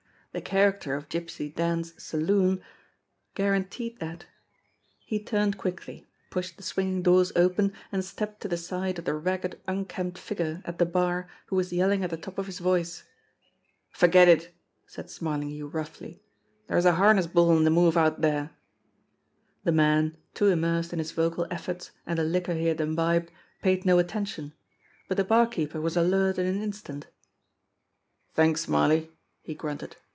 The character of Gypsy Dan's saloon guaranteed that. He turned quickly, pushed the swinging doors open, and stepped to the side of the ragged, unkempt figure at the bar who was yelling at the top of his voice. "Forget it!" said Smarlinghue roughly. "There's a harness bull on the move out there." The man, too immersed in his vocal efforts and the liquor he had imbibed, paid no attention; but the barkeeper was alert in an instant. "T'anks, Smarly !" he grunted.